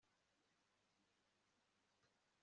ibi ntabwo byumvikana cyane, sibyo